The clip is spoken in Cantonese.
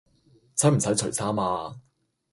使唔使除衫呀？